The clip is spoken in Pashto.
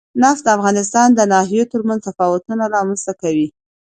نفت د افغانستان د ناحیو ترمنځ تفاوتونه رامنځ ته کوي.